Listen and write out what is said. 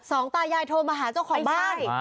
ตายายโทรมาหาเจ้าของบ้าน